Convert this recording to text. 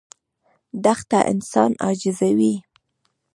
دښته انسان عاجزوي.